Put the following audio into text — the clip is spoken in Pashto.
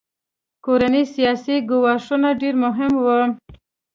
کورني سیاسي ګواښونه ډېر مهم وو.